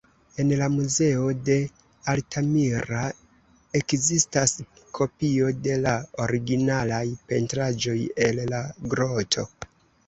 En la muzeo de Altamira ekzistas kopio de la originalaj pentraĵoj el la groto.